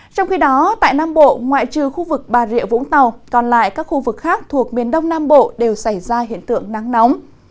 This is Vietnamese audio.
trong khi đó tại nam bộ ngoại trừ khu vực bà rịa vũng tàu còn lại các khu vực khác thuộc miền đông nam bộ đều xảy ra hiện tượng nắng nóng